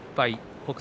北勝